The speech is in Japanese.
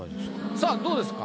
さあどうですか？